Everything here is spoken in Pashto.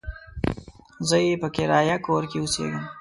زه يې په کرايه کور کې اوسېږم.